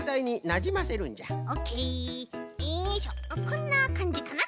こんなかんじかな？